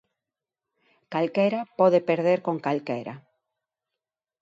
Calquera pode perder con calquera.